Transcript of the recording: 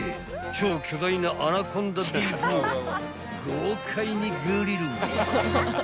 ［超巨大なアナコンダビーフを豪快にグリル］